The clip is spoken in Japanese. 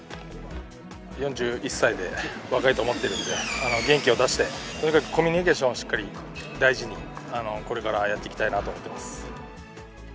４１歳で若いと思ってるんで、元気を出してとにかくコミュニケーションをしっかり、大事に、これからやっていきたいなと思っています。